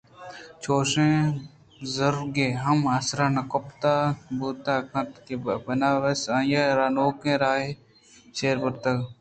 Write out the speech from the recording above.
چوشیں برُزگے ءَ ہم آ سر نہ کپتگ ات ءُبوت کنت کہ بناربس آئی ءَ را نوکیں راہ ئے ءَ چہ برتگ